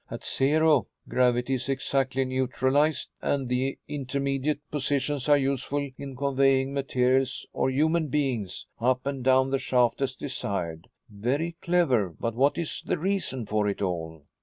At zero, gravity is exactly neutralized, and the intermediate positions are useful in conveying materials or human beings up and down the shaft as desired. Very clever; but what is the reason for it all?"